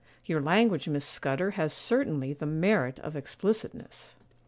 'Your language, Miss Scudder, has certainly the merit of explicitness.